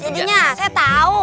jadinya saya tahu